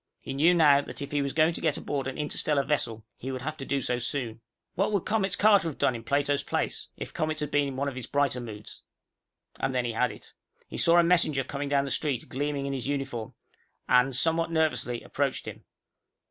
He knew now that if he was going to get aboard an interstellar vessel, he would have to do so soon. What would Comets Carter have done in Plato's place if Comets had been in one of his brighter moods? And then he had it. He saw a messenger coming down the street, gleaming in his uniform, and, somewhat nervously, approached him.